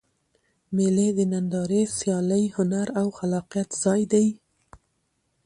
مېلې د نندارې، سیالۍ، هنر او خلاقیت ځای دئ.